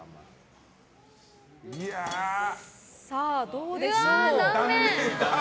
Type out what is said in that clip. どうでしょう。